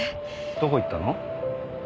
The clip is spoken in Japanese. どこ行ったの？